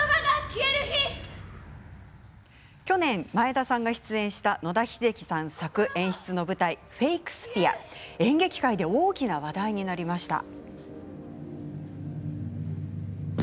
去年、前田さんが出演した野田秀樹さん作・演出の舞台「フェイクスピア」。演劇界で大きな話題になりました。